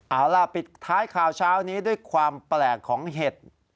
เอาล่ะปิดท้ายข่าวเช้านี้ด้วยความแปลกของเห็ด